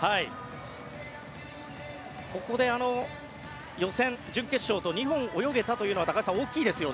ここで予選、準決勝と２本泳げたというのは高橋さん、大きいですよね。